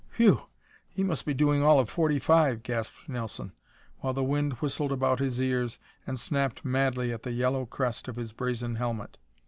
"Whew! He must be doing all of forty five," gasped Nelson, while the wind whistled about his ears and snapped madly at the yellow crest of his brazen helmet.